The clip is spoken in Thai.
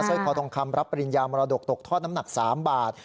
ร้อยคอทองคำรับปริญญามรดกตกทอดน้ำหนัก๓บาท